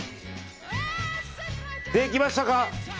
できましたか！